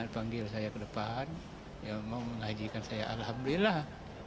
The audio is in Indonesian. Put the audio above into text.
panggil saya ke depan dia menghajikan saya alhamdulillah